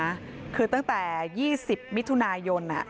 หากซึ่งตั้งแต่๒๐วิทยุนายน